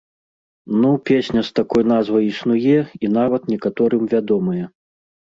Ну, песня з такой назвай існуе і нават некаторым вядомая.